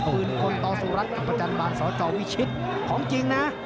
คืนคนต่อสู่รัฐกับพระจันทร์บาลสจวิชิตของจริงนะ